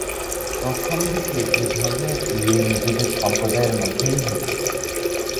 প্রথম দিকে এ ধরনের বিয়ে নিজেদের সম্প্রদায়ের মধ্যেই হতো।